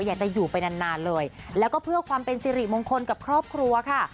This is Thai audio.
อยากจะอยู่ไปนานนานเลยแล้วก็เพื่อความเป็นสิริมงคลกับครอบครัวค่ะ